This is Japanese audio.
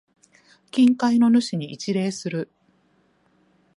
近海の主に一礼する。